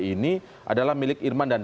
ini adalah milik irman dan